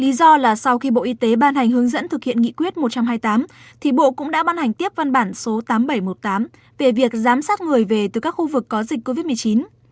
lý do là sau khi bộ y tế ban hành hướng dẫn thực hiện nghị quyết một trăm hai mươi tám thì bộ cũng đã ban hành tiếp văn bản số tám nghìn bảy trăm một mươi tám về việc giám sát người về từ các khu vực có dịch covid một mươi chín